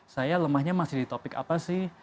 saya lemahnya masih di topik apa sih